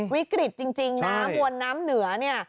วิกฤตจริงนะมวลน้ำเหนือเนี่ย